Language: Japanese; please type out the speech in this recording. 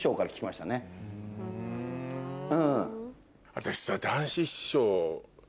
私さ。